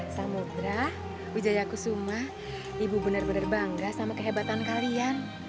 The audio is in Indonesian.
samudera wijaya kusuma ibu benar benar bangga sama kehebatan kalian